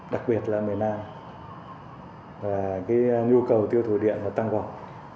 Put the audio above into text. đặc biệt là miền nam và nhu cầu tiêu thủ điện tăng gọt